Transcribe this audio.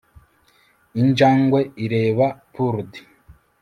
Injangwe ireba purrd